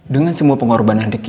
dengan semua pengorbanan riki